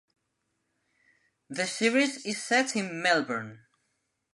The series is set in Melbourne.